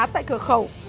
tại cửa khẩu